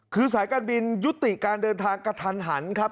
คือสายการบินยุติการเดินทางกระทันหันครับ